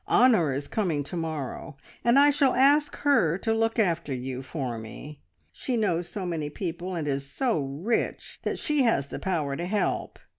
Honor is coming to morrow, and I shall ask her to look after you for me. She knows so many people, and is so rich that she has the power to help.